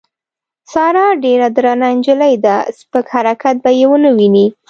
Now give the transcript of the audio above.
ساره ډېره درنه نجیلۍ ده سپک حرکت به یې ونه وینې.